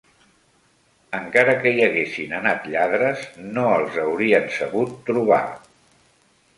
Encara que hi haguessin anat lladres no els haurien sabut trobar.